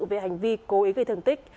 về hành vi cố ý gây thường tích